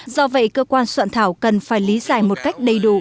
do vậy cơ quan soạn thảo cần phải lý giải một cách đầy đủ